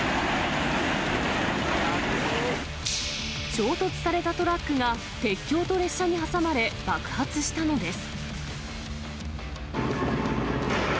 衝突されたトラックが鉄橋と列車に挟まれ、爆発したのです。